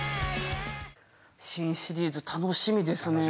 新シリーズ楽しみですね。